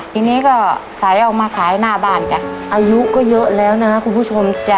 ทีนี้ก็ใส่ออกมาขายหน้าบ้านจ้ะอายุก็เยอะแล้วนะครับคุณผู้ชมจ้ะ